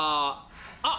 あっ！